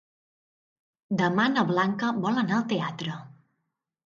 Demà na Blanca vol anar al teatre.